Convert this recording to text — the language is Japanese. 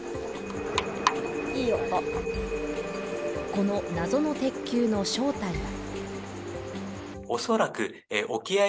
この謎の鉄球の正体は？